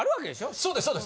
そうですそうです。